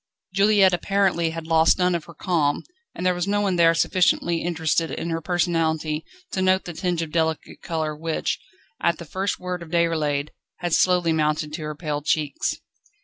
Juliette apparently had lost none of her calm, and there was no one there sufficiently interested in her personality to note the tinge of delicate colour which, at the first word of Déroulède, had slowly mounted to her pale cheeks.